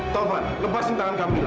tau van lepaskan tangan kamu mila